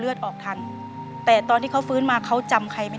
เปลี่ยนเพลงเพลงเก่งของคุณและข้ามผิดได้๑คำ